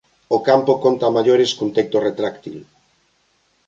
O campo conta a maiores cun teito retráctil.